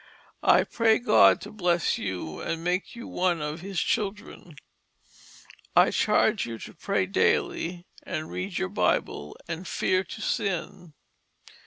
I pray God to bless you and make you one of his Children. I charge you to pray daily, and read your Bible, and fear to sin.